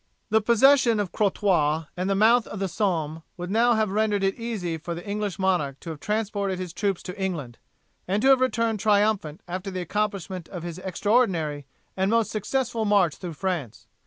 The possession of Crotoy and the mouth of the Somme would have now rendered it easy for the English monarch to have transported his troops to England, and to have returned triumphant after the accomplishment of his extraordinary and most successful march through France.